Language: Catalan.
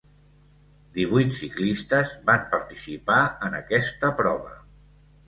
Divuit ciclistes van participar en aquesta prova.